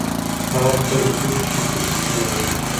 هغه خپلې تورې ښځې ته هېڅ نه ويل.